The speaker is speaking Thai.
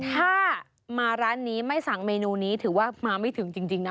ถ้ามาร้านนี้ไม่สั่งเมนูนี้ถือว่ามาไม่ถึงจริงนะ